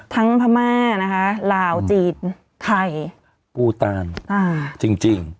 พม่านะคะลาวจีนไทยปูตานจริง